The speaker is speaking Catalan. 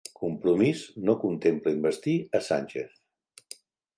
Compromís no contempla investir a Sánchez